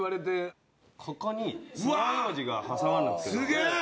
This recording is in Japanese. すげえ！